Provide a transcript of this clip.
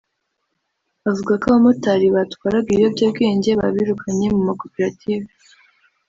avuga ko abamotari batwaraga ibiyobyabwenge babirukanye mu makoperative